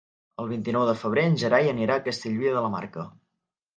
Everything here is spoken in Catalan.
El vint-i-nou de febrer en Gerai anirà a Castellví de la Marca.